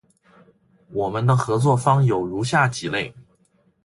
我们的合作方有如下几类：